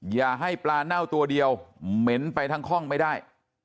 อย่าให้ปลาเน่าตัวเดียวเหม็นไปทั้งห้องไม่ได้